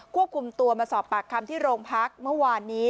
ควบคุมตัวมาสอบปากคำที่โรงพักเมื่อวานนี้